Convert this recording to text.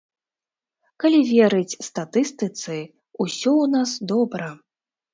Калі верыць статыстыцы, усё ў нас добра.